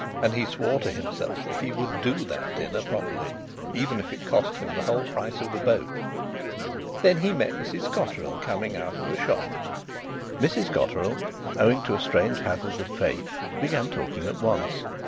And he swore to himself that he would do that dinner properly, even if it cost him the whole price of the boat. Then he met Mrs Cotterill coming out of a shop. Mrs Cotterill, owing to a strange hazard of fate, began talking at once.